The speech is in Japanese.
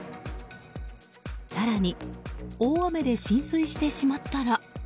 更に、大雨で浸水してしまったら。